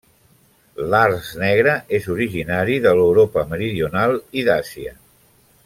L'arç negre és originari de l'Europa meridional i d'Àsia.